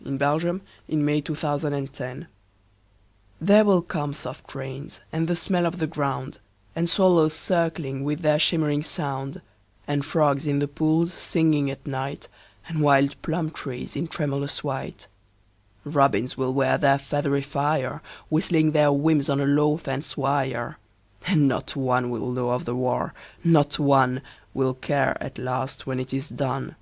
VIII "There Will Come Soft Rains" (War Time) There will come soft rains and the smell of the ground, And swallows circling with their shimmering sound; And frogs in the pools singing at night, And wild plum trees in tremulous white; Robins will wear their feathery fire Whistling their whims on a low fence wire; And not one will know of the war, not one Will care at last when it is done.